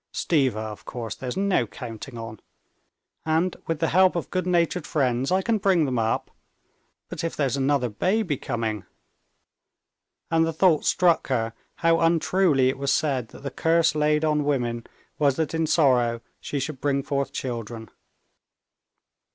Stiva, of course, there's no counting on. And with the help of good natured friends I can bring them up; but if there's another baby coming?..." And the thought struck her how untruly it was said that the curse laid on woman was that in sorrow she should bring forth children.